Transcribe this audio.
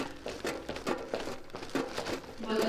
تصحیف د یوې کليمې ټکي له خپله ځایه اړولو ته وا يي.